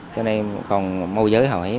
do này còn môi giới hỏi